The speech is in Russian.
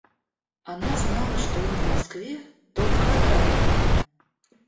Она знала, что он в Москве, только от Анны.